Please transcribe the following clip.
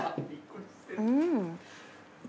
うん。